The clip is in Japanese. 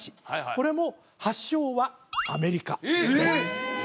これも発祥はアメリカですえっ！